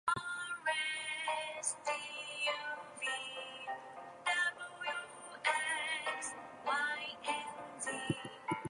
"Orthodoxy" was influential in the conversion of Theodore Maynard to Roman Catholicism.